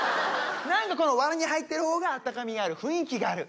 このわらに入ってるほうが温かみがある、雰囲気がある。